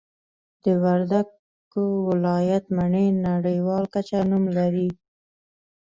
د وردګو ولایت مڼې نړیوال کچه نوم لري